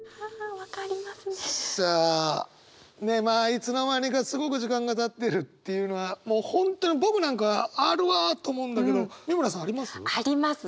いつの間にかすごく時間がたってるっていうのはもう本当に僕なんかはあるわと思うんだけど美村さんあります？あります。